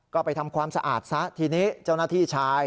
ก็ไปทำความสะอาดซะทีนี้เจ้าหน้าที่ชาย